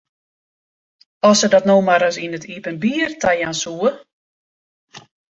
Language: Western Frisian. As se dat no mar ris yn it iepenbier tajaan soe!